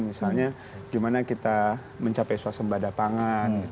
misalnya gimana kita mencapai suasana badapangan